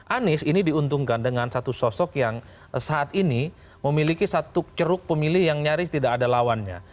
anies ini diuntungkan dengan satu sosok yang saat ini memiliki satu ceruk pemilih yang nyaris tidak ada lawannya